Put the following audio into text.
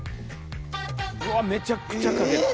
うわめちゃくちゃかける！